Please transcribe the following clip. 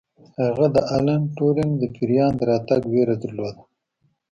هغه د الن ټورینګ د پیریان د راتګ ویره درلوده